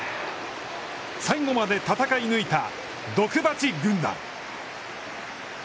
最後まで戦い抜いた毒蜂軍団。